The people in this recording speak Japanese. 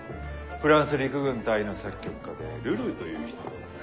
フランス陸軍大尉の作曲家でルルーという人なのですが。